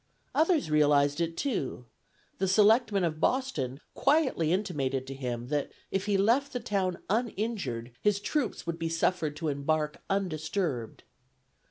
Others realized it too: the selectmen of Boston quietly intimated to him that if he left the town uninjured, his troops would be suffered to embark undisturbed.